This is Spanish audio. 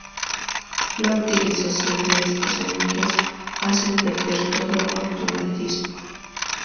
La utilización de estos anillos hacen perder todo automatismo.